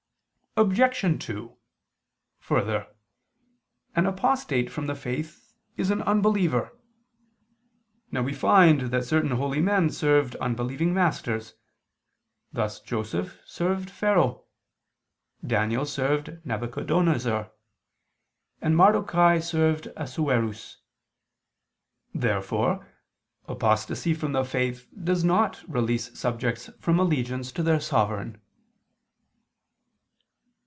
Obj. 2: Further, an apostate from the faith is an unbeliever. Now we find that certain holy men served unbelieving masters; thus Joseph served Pharaoh, Daniel served Nabuchodonosor, and Mardochai served Assuerus. Therefore apostasy from the faith does not release subjects from allegiance to their sovereign.